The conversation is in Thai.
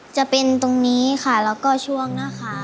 จะเป็นตรงนี้ค่ะแล้วก็ช่วงหน้าขา